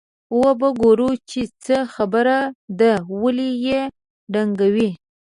وبه ګورو چې څه خبره ده ولې یې ډنګوي.